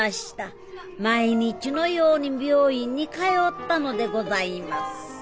毎日のように病院に通ったのでございます。